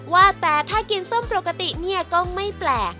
ว่าแต่ถ้ากินส้มปกติเนี่ยก็ไม่แปลก